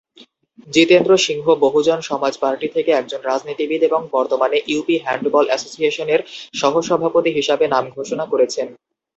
Jitendra Singh Bahujan Samaj party থেকে একজন রাজনীতিবিদ এবং বর্তমানে ইউপি হ্যান্ডবল অ্যাসোসিয়েশনের সহ-সভাপতি হিসাবে নাম ঘোষণা করেছেন।